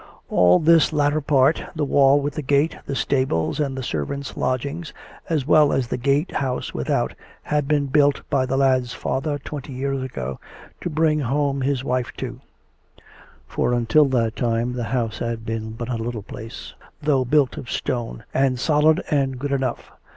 All this later part, the wall with the gate, the stables and the servants' lodgings, as well as the gate house without, had been built by the lad's father twenty years ago, to bring home his wife to; for, until that time, the house had been but a little place, though built of srtone, and solid and good enough.